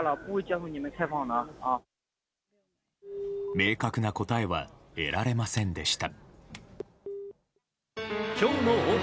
明確な答えは得られませんでした。